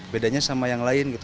bedanya sama yang lain gitu